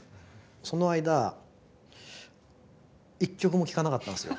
その間一曲も聞かなかったんですよ。